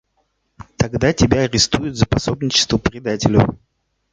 Тогда тебя арестуют за пособничество предателю.